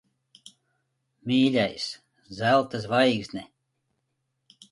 Mīļais! Zelta zvaigzne.